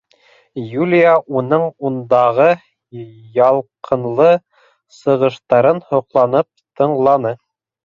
Юлия уның ундағы ялҡынлы сығыштарын һоҡланып тыңланы.